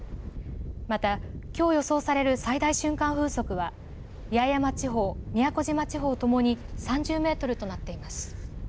またきょう予想される最大瞬間風速は八重山地方、宮古島地方ともに３０メートルとなっています。